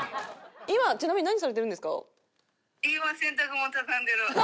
今ちなみに何されてるんですか？